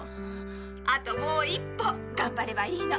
あともう一歩頑張ればいいの！